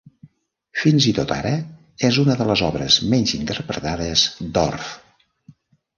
Fins i tot ara, és una de les obres menys interpretades d'Orff.